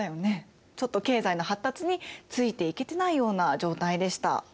ちょっと経済の発達についていけてないような状態でした。